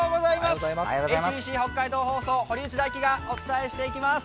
ＨＢＣ北海道放送、堀内大輝がお伝えしていきます。